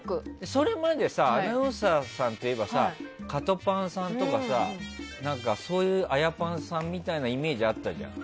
それまでアナウンサーさんといえばカトパンさんとかさアヤパンさんみたいなイメージあったじゃん。